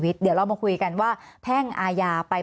มีความรู้สึกว่าเสียใจ